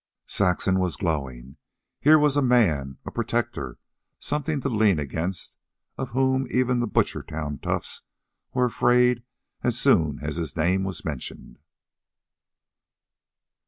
Saxon was glowing. Here was a man, a protector, something to lean against, of whom even the Butchertown toughs were afraid as soon as his name was mentioned.